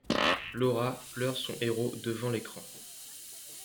Laura pleure son héros devant l’écran.